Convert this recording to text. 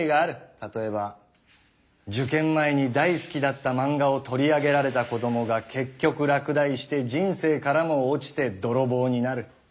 例えば受験前に大好きだった漫画を取り上げられた子供が結局落第して人生からも落ちて泥棒になる。